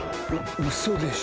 ウソでしょ？